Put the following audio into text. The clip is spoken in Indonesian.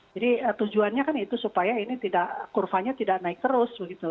jadi tujuannya kan itu supaya ini kurvanya tidak naik terus begitu